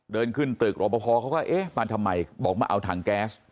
เดินขึ้นตึกรอปภเขาก็เอ๊ะมาทำไมบอกมาเอาถังแก๊ส